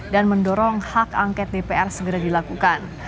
dan mendorong hak angket dpr segera dilakukan